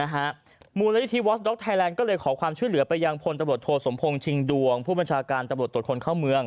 หรือเหลือเพียงพลทบดโทสมพงษ์ชิงดวงผู้ประชาการตบดตรคลเขาเมือง